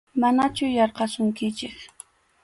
Manachu yarqasunkichik.